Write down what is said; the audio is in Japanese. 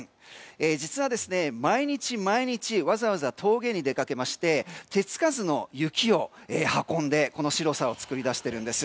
実は、毎日毎日わざわざ峠に出かけまして手つかずの雪を運んでこの白さを作っているんです。